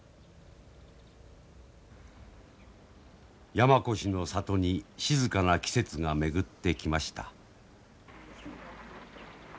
山古志の里に静かな季節が巡ってきました。